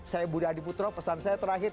saya budi adiputro pesan saya terakhir